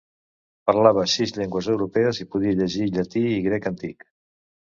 Parlava sis llengües europees i podia llegir llatí i grec antic.